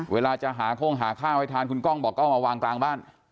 เวลาจะหาโค้งหาข้าวให้ทานคุณก้องบอกก็เอามาวางกลางบ้าน